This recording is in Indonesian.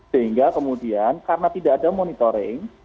sehingga kemudian karena tidak ada monitoring